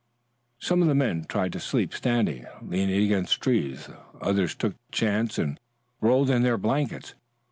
Some of the men tried to sleep standing, leaning against trees. Others took the chance and rolled in their blankets.